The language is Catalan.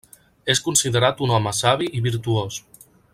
És considerat un home savi i virtuós.